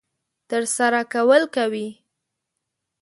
ترسره کول کوي.